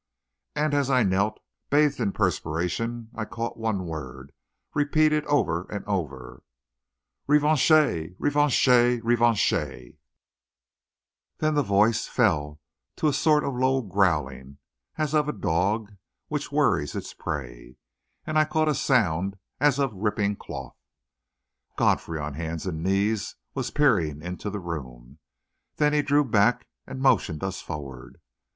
And as I knelt, bathed in perspiration, I caught one word, repeated over and over: "Revanche! Revanche! Revanche!" Then the voice fell to a sort of low growling, as of a dog which worries its prey, and I caught a sound as of ripping cloth. Godfrey, on hands and knees, was peering into the room. Then he drew back and motioned us forward.